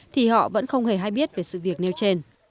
thì họ vẫn không hề hay biết về sự việc nêu trên